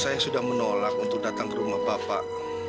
saya sudah menolak untuk datang ke rumah bapak